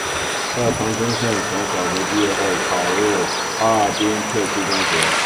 在长春县城小学毕业后考入哈尔滨特区中学。